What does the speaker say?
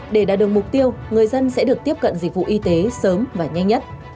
để đạt được mục tiêu người dân sẽ được tiếp cận dịch vụ y tế sớm và nhanh nhất